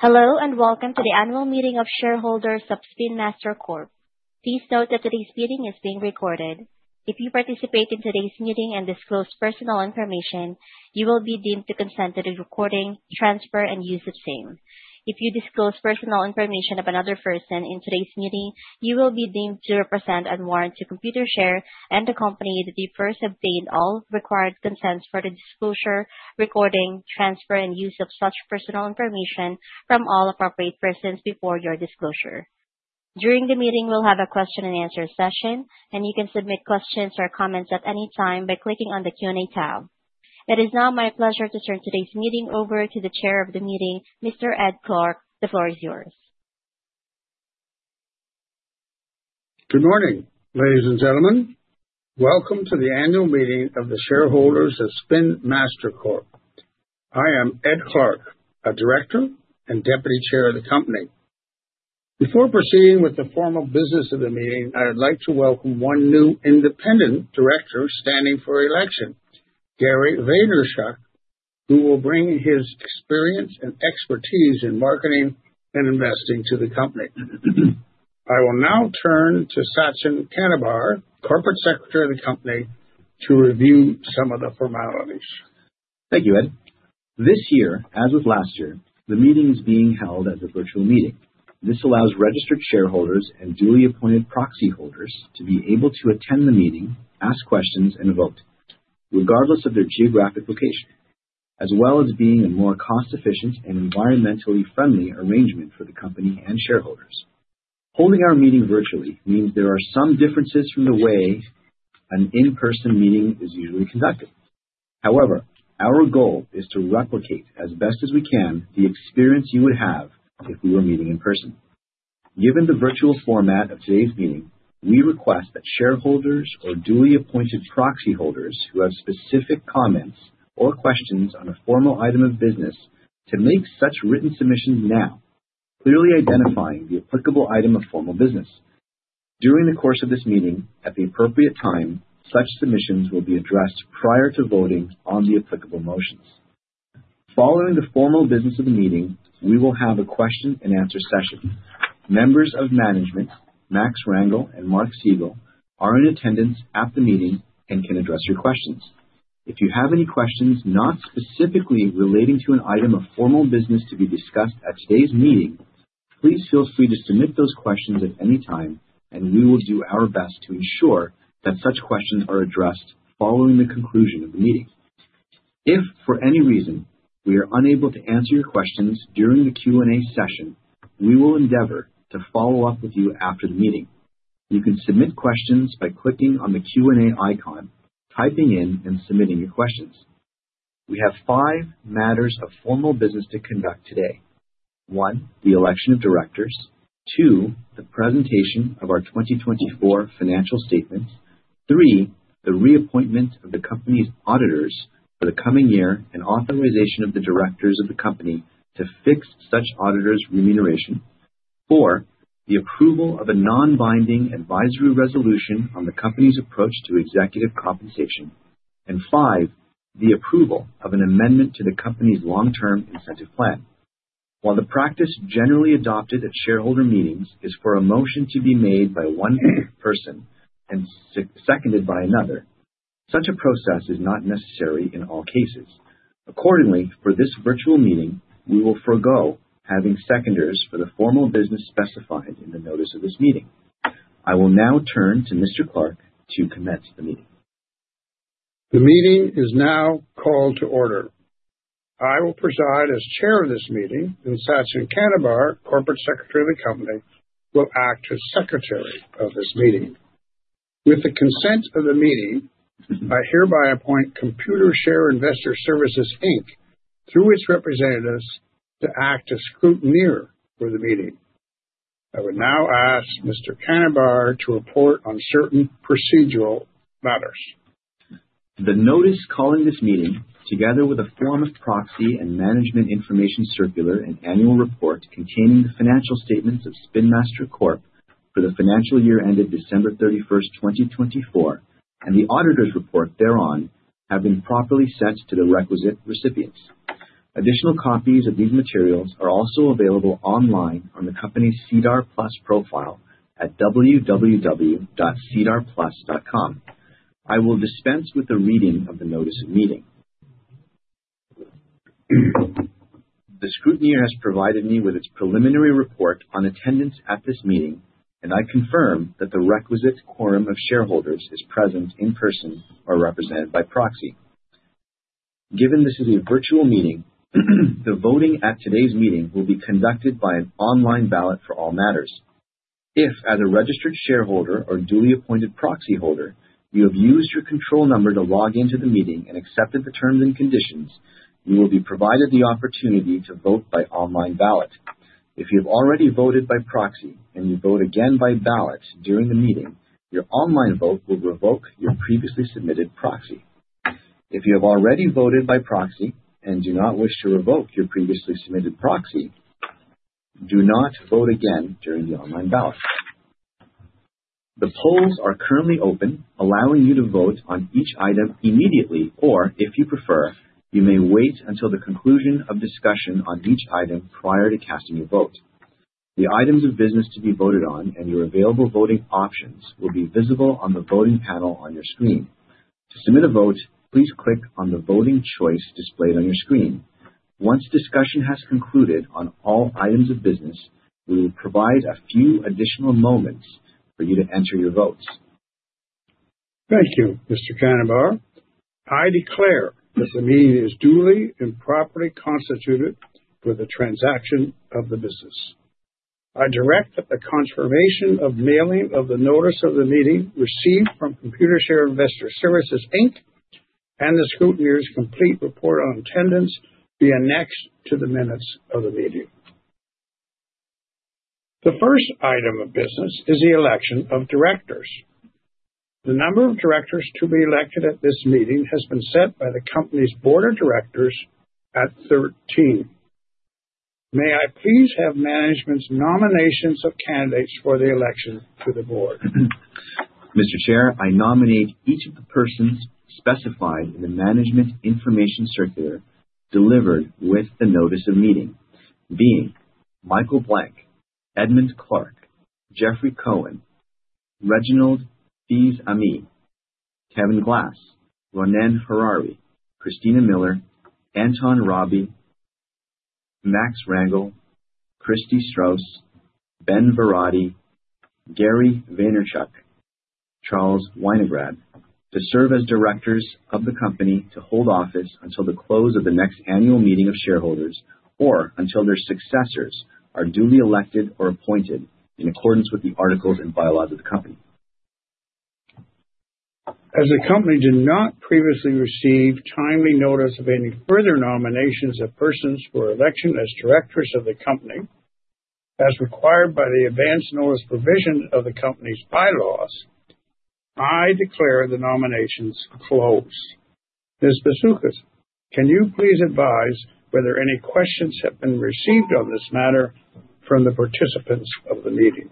Hello, welcome to the annual meeting of shareholders of Spin Master Corp. Please note that today's meeting is being recorded. If you participate in today's meeting and disclose personal information, you will be deemed to consent to the recording, transfer, and use of same. If you disclose personal information of another person in today's meeting, you will be deemed to represent and warrant to Computershare and the company that you first obtained all required consents for the disclosure, recording, transfer, and use of such personal information from all appropriate persons before your disclosure. During the meeting, we'll have a question and answer session, and you can submit questions or comments at any time by clicking on the Q&A tab. It is now my pleasure to turn today's meeting over to the chair of the meeting, Mr. Ed Clark. The floor is yours. Good morning, ladies and gentlemen. Welcome to the annual meeting of the shareholders of Spin Master Corp. I am Ed Clark, a Director and Deputy Chair of the company. Before proceeding with the formal business of the meeting, I would like to welcome one new independent director standing for election, Gary Vaynerchuk, who will bring his experience and expertise in marketing and investing to the company. I will now turn to Sachin Kanabar, Corporate Secretary of the company, to review some of the formalities. Thank you, Ed. This year, as with last year, the meeting is being held as a virtual meeting. This allows registered shareholders and duly appointed proxy holders to be able to attend the meeting, ask questions, and vote regardless of their geographic location, as well as being a more cost-efficient and environmentally friendly arrangement for the company and shareholders. Holding our meeting virtually means there are some differences from the way an in-person meeting is usually conducted. However, our goal is to replicate, as best as we can, the experience you would have if we were meeting in person. Given the virtual format of today's meeting, we request that shareholders or duly appointed proxy holders who have specific comments or questions on a formal item of business to make such written submissions now, clearly identifying the applicable item of formal business. During the course of this meeting, at the appropriate time, such submissions will be addressed prior to voting on the applicable motions. Following the formal business of the meeting, we will have a question and answer session. Members of management, Max Rangel and Mark Segal, are in attendance at the meeting and can address your questions. If you have any questions not specifically relating to an item of formal business to be discussed at today's meeting, please feel free to submit those questions at any time, and we will do our best to ensure that such questions are addressed following the conclusion of the meeting. If, for any reason, we are unable to answer your questions during the Q&A session, we will endeavor to follow up with you after the meeting. You can submit questions by clicking on the Q&A icon, typing in, and submitting your questions. We have five matters of formal business to conduct today. One, the election of directors. Two, the presentation of our 2024 financial statements. Three, the reappointment of the company's auditors for the coming year and authorization of the directors of the company to fix such auditors' remuneration. Four, the approval of a non-binding advisory resolution on the company's approach to executive compensation. Five, the approval of an amendment to the company's long-term incentive plan. While the practice generally adopted at shareholder meetings is for a motion to be made by one person and seconded by another, such a process is not necessary in all cases. Accordingly, for this virtual meeting, we will forego having seconders for the formal business specified in the notice of this meeting. I will now turn to Mr. Clark to commence the meeting. The meeting is now called to order. I will preside as chair of this meeting, and Sachin Kanabar, corporate secretary of the company, will act as secretary of this meeting. With the consent of the meeting, I hereby appoint Computershare Investor Services Inc., through its representatives, to act as scrutineer for the meeting. I would now ask Mr. Kanabar to report on certain procedural matters. The notice calling this meeting, together with a form of proxy and management information circular and annual report containing the financial statements of Spin Master Corp. for the financial year ended December 31st, 2024, and the auditor's report thereon, have been properly sent to the requisite recipients. Additional copies of these materials are also available online on the company's SEDAR+ profile at www.sedarplus.com. I will dispense with the reading of the notice of meeting. The scrutineer has provided me with its preliminary report on attendance at this meeting, and I confirm that the requisite quorum of shareholders is present in person or represented by proxy. Given this is a virtual meeting, the voting at today's meeting will be conducted by an online ballot for all matters. If, as a registered shareholder or duly appointed proxyholder, you have used your control number to log into the meeting and accepted the terms and conditions, you will be provided the opportunity to vote by online ballot. If you have already voted by proxy and you vote again by ballot during the meeting, your online vote will revoke your previously submitted proxy. If you have already voted by proxy and do not wish to revoke your previously submitted proxy, do not vote again during the online ballot. The polls are currently open, allowing you to vote on each item immediately, or if you prefer, you may wait until the conclusion of discussion on each item prior to casting your vote. The items of business to be voted on and your available voting options will be visible on the voting panel on your screen. To submit a vote, please click on the voting choice displayed on your screen. Once discussion has concluded on all items of business, we will provide a few additional moments for you to enter your votes. Thank you, Mr. Kanabar. I declare that the meeting is duly and properly constituted for the transaction of the business. I direct that the confirmation of mailing of the notice of the meeting received from Computershare Investor Services Inc., and the scrutineer's complete report on attendance be annexed to the minutes of the meeting. The first item of business is the election of directors. The number of directors to be elected at this meeting has been set by the company's board of directors at 13. May I please have management's nominations of candidates for the election to the board? Mr. Chair, I nominate each of the persons specified in the management information circular delivered with the notice of meeting, being Michael Blank, Edmund Clark, Jeffrey Cohen, Reginald Fils-Aimé, Kevin Glass, Ronnen Harary, Christina Miller, Anton Rabie, Max Rangel, Christi Strauss, Ben Varadi, Gary Vaynerchuk, Charles Winograd, to serve as directors of the company to hold office until the close of the next annual meeting of shareholders, or until their successors are duly elected or appointed in accordance with the articles and bylaws of the company. As the company did not previously receive timely notice of any further nominations of persons for election as directors of the company, as required by the advance notice provision of the company's bylaws, I declare the nominations closed. Ms. Basukas, can you please advise whether any questions have been received on this matter from the participants of the meeting?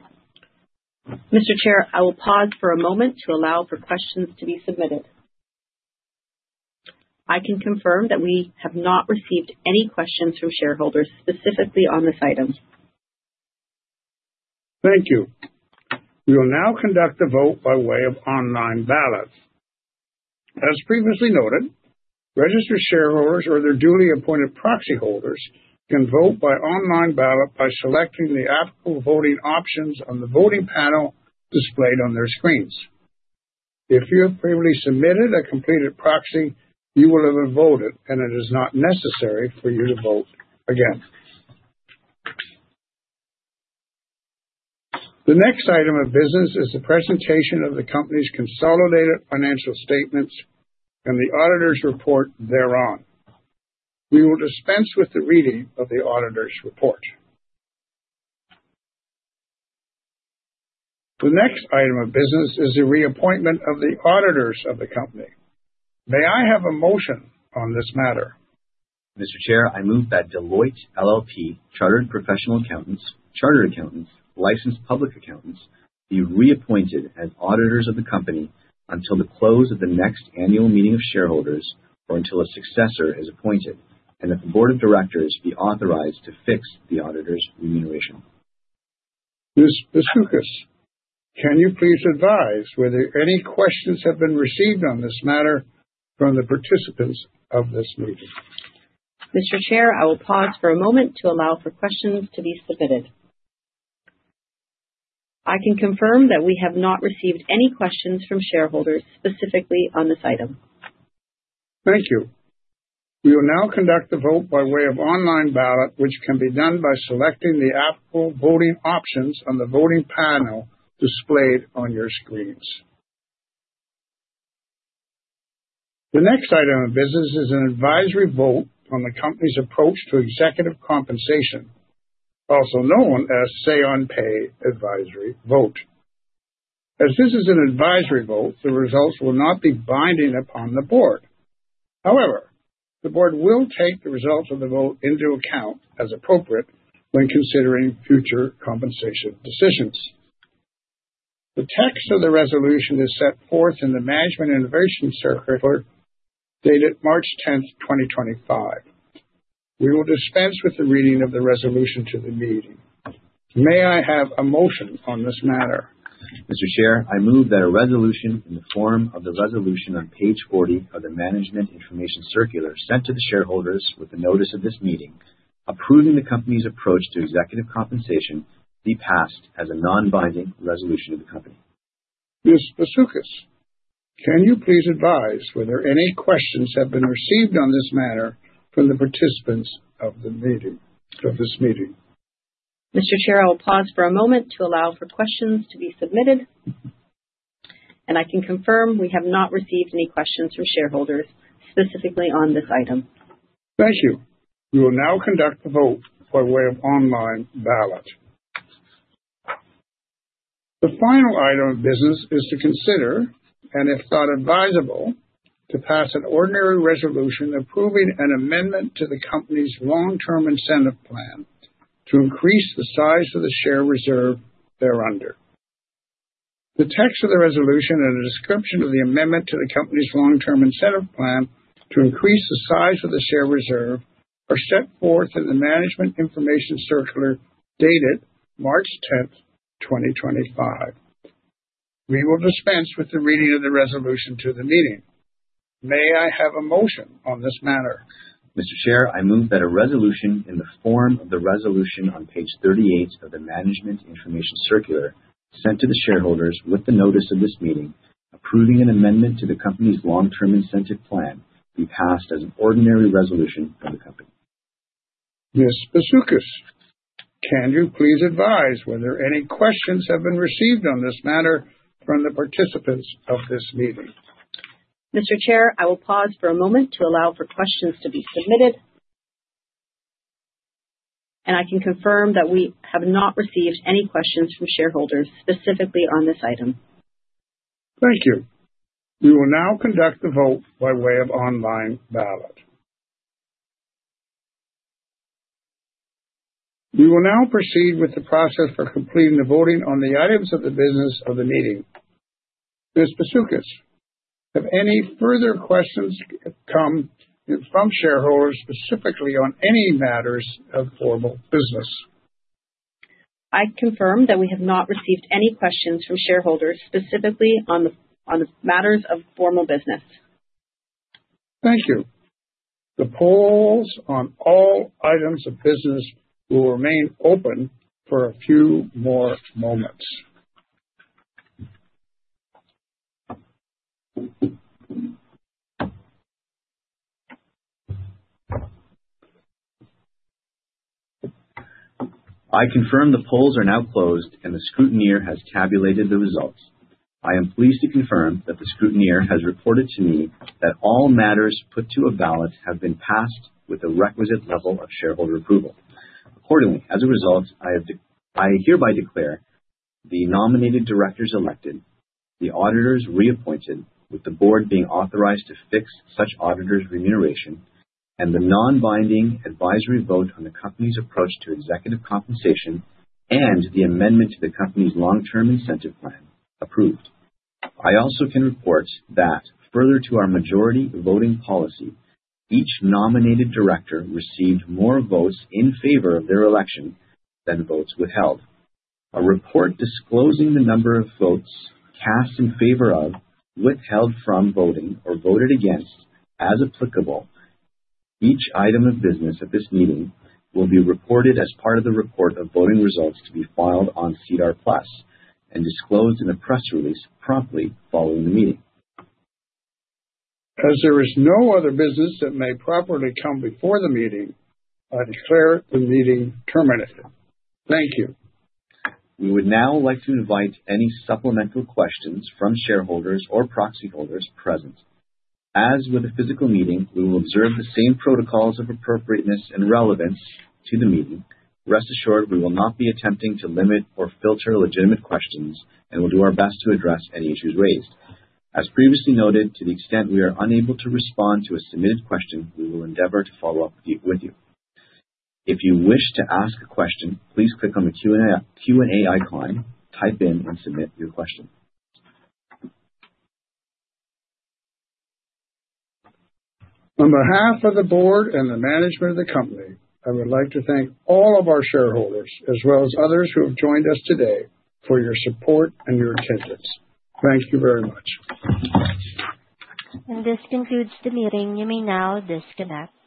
Mr. Chair, I will pause for a moment to allow for questions to be submitted. I can confirm that we have not received any questions from shareholders specifically on this item. Thank you. We will now conduct a vote by way of online ballot. As previously noted, registered shareholders or their duly appointed proxy holders can vote by online ballot by selecting the applicable voting options on the voting panel displayed on their screens. If you have previously submitted a completed proxy, you will have voted, and it is not necessary for you to vote again. The next item of business is the presentation of the company's consolidated financial statements and the auditor's report thereon. We will dispense with the reading of the auditor's report. The next item of business is the reappointment of the auditors of the company. May I have a motion on this matter? Mr. Chair, I move that Deloitte LLP, chartered professional accountants, charter accountants, licensed public accountants, be reappointed as auditors of the company until the close of the next annual meeting of shareholders or until a successor is appointed, and that the board of directors be authorized to fix the auditor's remuneration. Ms. Basukas, can you please advise whether any questions have been received on this matter from the participants of this meeting? Mr. Chair, I will pause for a moment to allow for questions to be submitted. I can confirm that we have not received any questions from shareholders specifically on this item. Thank you. We will now conduct a vote by way of online ballot, which can be done by selecting the applicable voting options on the voting panel displayed on your screens. The next item of business is an advisory vote on the company's approach to executive compensation, also known as say on pay advisory vote. As this is an advisory vote, the results will not be binding upon the board. However, the board will take the results of the vote into account as appropriate when considering future compensation decisions. The text of the resolution is set forth in the management information circular dated March 10th, 2025. We will dispense with the reading of the resolution to the meeting. May I have a motion on this matter? Mr. Chair, I move that a resolution in the form of the resolution on page 40 of the management information circular sent to the shareholders with the notice of this meeting, approving the company's approach to executive compensation be passed as a non-binding resolution of the company. Ms. Basukas, can you please advise whether any questions have been received on this matter from the participants of this meeting? Mr. Chair, I will pause for a moment to allow for questions to be submitted. I can confirm we have not received any questions from shareholders specifically on this item. Thank you. We will now conduct a vote by way of online ballot. The final item of business is to consider, and if thought advisable, to pass an ordinary resolution approving an amendment to the company's long-term incentive plan to increase the size of the share reserve thereunder. The text of the resolution and a description of the amendment to the company's long-term incentive plan to increase the size of the share reserve are set forth in the management information circular dated March 10, 2025. We will dispense with the reading of the resolution to the meeting. May I have a motion on this matter? Mr. Chair, I move that a resolution in the form of the resolution on page 38 of the management information circular sent to the shareholders with the notice of this meeting approving an amendment to the company's long-term incentive plan be passed as an ordinary resolution of the company. Ms. Basukas, can you please advise whether any questions have been received on this matter from the participants of this meeting? Mr. Chair, I will pause for a moment to allow for questions to be submitted. I can confirm that we have not received any questions from shareholders specifically on this item. Thank you. We will now conduct the vote by way of online ballot. We will now proceed with the process for completing the voting on the items of the business of the meeting. Ms. Basukas, have any further questions come in from shareholders specifically on any matters of formal business? I confirm that we have not received any questions from shareholders specifically on matters of formal business. Thank you. The polls on all items of business will remain open for a few more moments. I confirm the polls are now closed, and the scrutineer has tabulated the results. I am pleased to confirm that the scrutineer has reported to me that all matters put to a ballot have been passed with the requisite level of shareholder approval. Accordingly, as a result, I hereby declare the nominated directors elected, the auditors reappointed with the board being authorized to fix such auditors' remuneration and the non-binding advisory vote on the company's approach to executive compensation and the amendment to the company's long-term incentive plan approved. I also can report that further to our majority voting policy, each nominated director received more votes in favor of their election than votes withheld. A report disclosing the number of votes cast in favor of, withheld from voting, or voted against, as applicable, each item of business at this meeting will be reported as part of the report of voting results to be filed on SEDAR+ and disclosed in a press release promptly following the meeting. As there is no other business that may properly come before the meeting, I declare the meeting terminated. Thank you. We would now like to invite any supplemental questions from shareholders or proxy holders present. As with a physical meeting, we will observe the same protocols of appropriateness and relevance to the meeting. Rest assured, we will not be attempting to limit or filter legitimate questions and will do our best to address any issues raised. As previously noted, to the extent we are unable to respond to a submitted question, we will endeavor to follow up with you. If you wish to ask a question, please click on the Q&A icon, type in and submit your question. On behalf of the board and the management of the company, I would like to thank all of our shareholders as well as others who have joined us today for your support and your attendance. Thank you very much. This concludes the meeting. You may now disconnect.